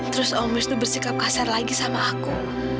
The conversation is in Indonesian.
terus om wisnu bersikap kasar lagi sama aku